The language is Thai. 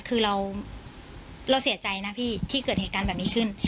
คือเราเสียใจนะพี่ที่เกิดเหตุการณ์แบบนี้ขึ้น